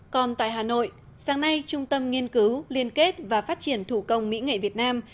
còn tại hà nội sáng nay trung tâm nghiên cứu liên kết và phát triển thủ công mỹ nghệ việt nam